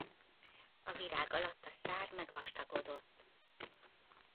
A virág alatt a szár megvastagodott.